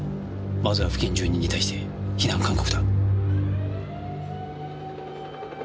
まずは付近住人に対して避難勧告だ。